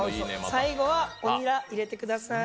最後は、おニラ、入れてください。